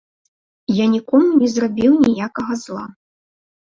Я нікому не зрабіў ніякага зла.